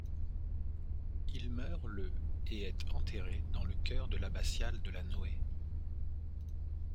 Il meurt le et est enterré dans le chœur de l'abbatiale de la Noë.